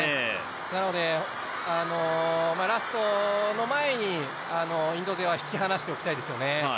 なのでラストの前にインド勢は引き離しておきたいですよね。